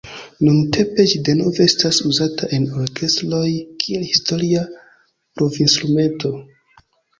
Nuntempe ĝi denove estas uzata en orkestroj kiel historia blovinstrumento.